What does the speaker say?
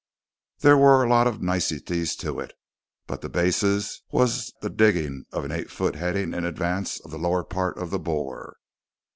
There were a lot of niceties to it, but the basis was the digging of an eight foot heading in advance of the lower part of the bore.